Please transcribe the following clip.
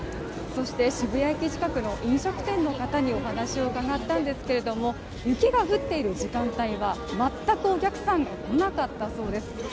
そして渋谷駅近くの飲食店の方にお話を伺ったんですけれども、雪が降っている時間帯は全くお客さん来なかったそうです。